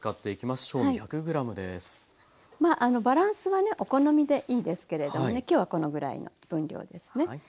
まあバランスはねお好みでいいですけれどもね今日はこのぐらいの分量ですね。